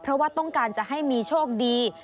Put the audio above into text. เพราะว่าต้องการจะให้มีโชคดี